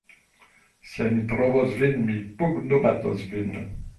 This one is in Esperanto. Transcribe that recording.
"Se mi trovos vin, mi pugnobatos vin!"